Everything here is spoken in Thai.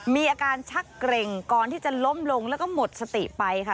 มีอาการชักเกร็งก่อนที่จะล้มลงแล้วก็หมดสติไปค่ะ